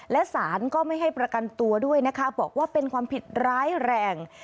และสารก็ไม่ให้ประกันตัวด้วยนะคะบอกว่าเป็นความผิดร้ายแรง